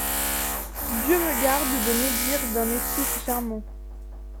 Dieu me garde de médire d'un esprit si charmant.